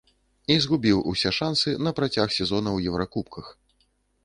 І згубіў усе шансы на працяг сезона ў еўракубках.